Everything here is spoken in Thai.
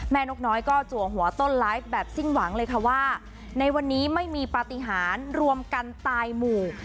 นกน้อยก็จัวหัวต้นไลฟ์แบบสิ้นหวังเลยค่ะว่าในวันนี้ไม่มีปฏิหารรวมกันตายหมู่